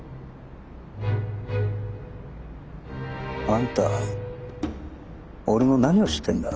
あんた俺の何を知ってんだ？